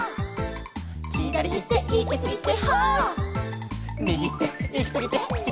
「ひだりいっていきすぎて」